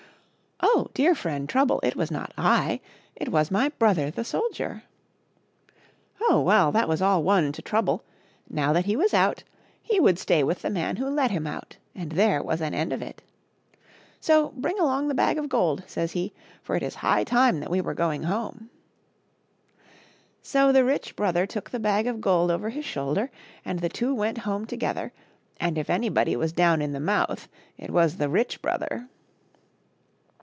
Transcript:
" Oh, dear friend Trouble ! it was not I, it was my brother, the soldier !'* Oh, well, that was all one to Trouble ; now that he was out he would 1|[^ 9CTfc9tRdnt&Btf ^onic wootg dtib tronbic^ stay with the man who let him out, and there was an end of it. " So bring along the bag of gold," says he, " for it is high time that we were going home." So the rich brother took the bag of gold over his shoulder, and the two went home together ; and if anybody was down in the mouth, it was the rich brother.